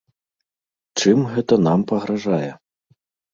Чым гэта нам пагражае?